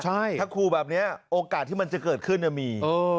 ใช่ถ้าขู่แบบนี้โอกาสที่มันจะเกิดขึ้นมี